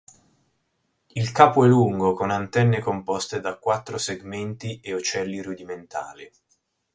Il capo è lungo, con antenne composte da quattro segmenti e ocelli rudimentali.